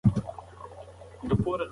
دوی په خپله ژبه کتابونه لوستل.